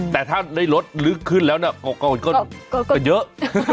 แต่ถ้าได้รถลึกขึ้นแล้วเนี่ยก็เยอะ